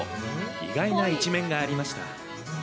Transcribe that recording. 意外な一面がありました。